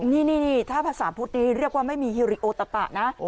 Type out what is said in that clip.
นี่ถ้าภาษาพุทธนี้เรียกว่าไม่มีฮิริโอตะปะนะ